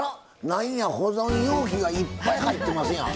何や保存容器がいっぱい入ってますやん。